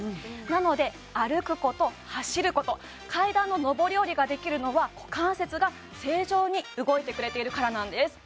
なので歩くこと走ること階段の上り下りができるのは股関節が正常に動いてくれているからなんです